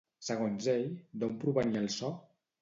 Segons ell, d'on provenia el so?